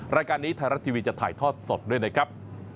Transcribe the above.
รายการนี้ไทยรัฐทีวีจะถ่ายทอดสดด้วยนะครับ